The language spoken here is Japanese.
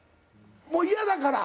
もう嫌だから？